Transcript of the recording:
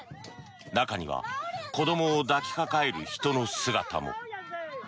中には子どもを抱きかかえる人の姿も。